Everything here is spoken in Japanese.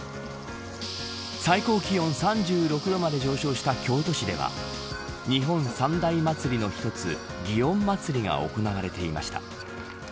最高気温３６度まで上昇した京都市では日本三大祭りの一つ祇園祭が行われていました。